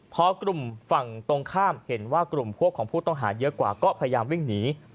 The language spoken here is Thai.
พอกลุ่มฝั่งตรงข้ามเห็นว่ากลุ่มพวกของผู้ต้องหาเยอะกว่าก็พยายามวิ่งหนี